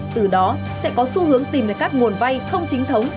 từ đó sẽ có xu hướng tìm được các nguồn vay không chính thống